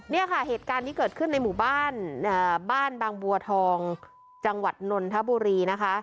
เนี่ยค่ะเหตุการณ์นี้เกิดขึ้นในหมู่บ้านบ้านบางบัวทองจังหวัดนนทบุรีนะคะ